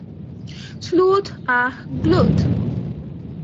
Sleuth, ah, গ্লুথ।